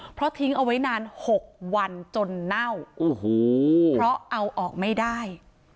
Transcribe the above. เพราะทิ้งเอาไว้นาน๖วันจนเน่าโอ้โหเพราะเอาออกไม่ได้